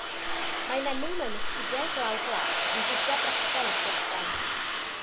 Mae menyw mewn esgidiau glaw glas yn bwyta brechdan y tu allan.